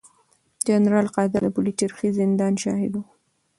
جنرال قادر د پلچرخي زندان شاهد و.